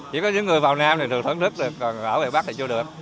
chỉ có những người vào nam thì thường thưởng thức được còn ở miền bắc thì chưa được